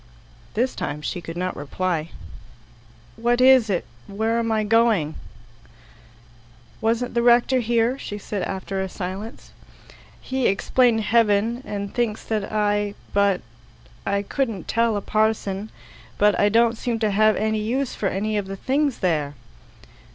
This time she could not reply. "What is it? Where am I going?" "Wasn't the rector here?" said she after a silence. "He explained heaven, and thinks that I but I couldn't tell a parson; but I don't seem to have any use for any of the things there."